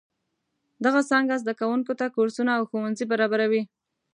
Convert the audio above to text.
دغه څانګه زده کوونکو ته کورسونه او ښوونځي برابروي.